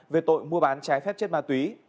về tội mua bán trái phép chất ma túy